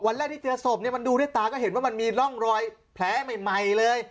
แรกที่เจอศพเนี่ยมันดูด้วยตาก็เห็นว่ามันมีร่องรอยแผลใหม่เลย